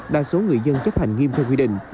đa số người dân chấp hành nghiêm theo quy định